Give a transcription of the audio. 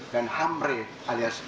dan hamre aliasnya